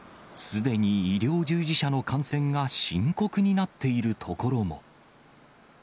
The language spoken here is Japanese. すでに医療従事者の感染が深刻になっているところも。